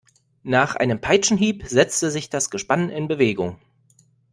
Nach einem Peitschenhieb setzte sich das Gespann in Bewegung.